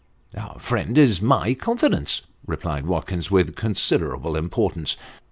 " Our friend is in my confidence," replied Watkins, with considerable importance.